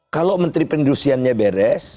kalau menteri penduduknya beres